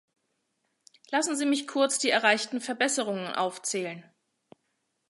Lassen Sie mich kurz die erreichten Verbesserungen aufzählen.